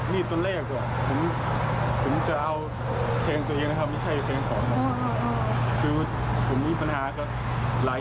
มีตเป็นเดิน